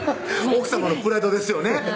奥さまのプライドですよね